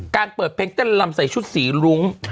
เปิดเพลงเต้นลำใส่ชุดสีรุ้ง